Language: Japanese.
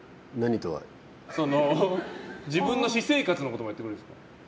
自分の私生活のことまでやってくれるんですか？